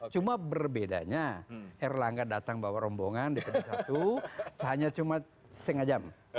cuma berbedanya erlangga datang bawa rombongan dpd satu hanya cuma setengah jam